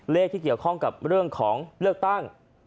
เลขที่เกี่ยวข้องกับเรื่องของเลือกตั้ง